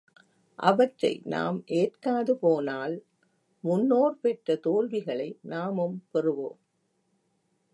அவற்றை நாம் ஏற்காது போனால் முன்னோர் பெற்ற தோல்விகளை நாமும் பெறுவோம்.